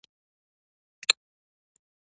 هغه بېرته راغله